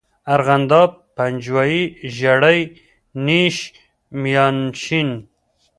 ارغنداب، پنجوائی، ژړی، نیش، میانشین.